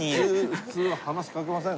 普通話しかけません？